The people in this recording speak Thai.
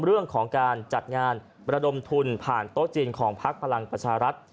เรื่องของการจัดงานประดมทุนผ่านโต๊ะจีนของพักพลังประชารัฐ